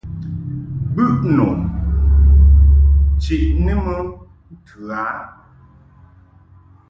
Bɨʼnu chiʼni mɨ ntɨ a.